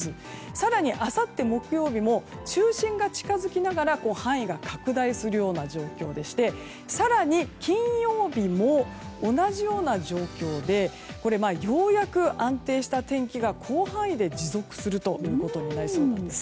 更に、あさって木曜日も中心が近づきながら範囲が拡大するような状況でして更に、金曜日も同じような状況でようやく安定した天気が広範囲で持続することになりそうなんですね。